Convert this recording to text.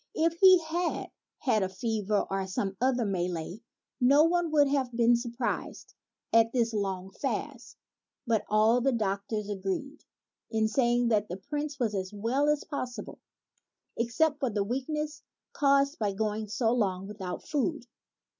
If he had had a fever, or some other malady, no one would have been surprised at this long fast ; but all the doc tors agreed in saying that the Prince was as well as possible except for the weakness caused by going so long without food.